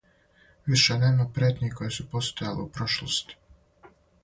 Више нема претњи које су постојале у прошлости.